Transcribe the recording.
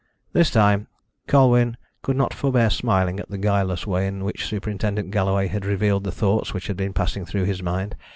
This time Colwyn could not forbear smiling at the guileless way in which Superintendent Galloway had revealed the thoughts which had been passing through his mind.